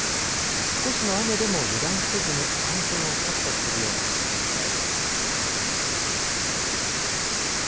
少しの雨でも油断せずに、安全を確保するようにしてください。